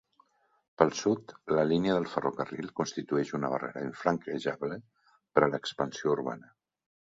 Pel sud la línia del ferrocarril constitueix una barrera infranquejable per a l'expansió urbana.